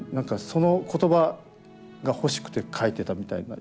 その言葉が欲しくて書いてたみたいな。